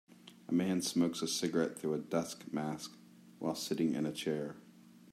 A man smokes a cigarette through a dusk mask while sitting in a chair.